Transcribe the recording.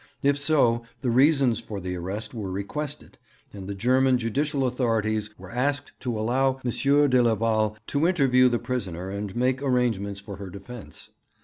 If so, the reasons for the arrest were requested, and the German judicial authorities were asked to allow M. de Leval to interview the prisoner and make arrangements for her defence.